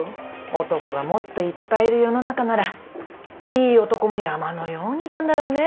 男がもっといっぱいいる世の中ならいい男も山のようにいたんだろうねぇ。